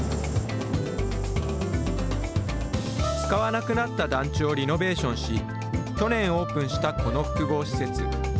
使わなくなった団地をリノベーションし、去年オープンしたこの複合施設。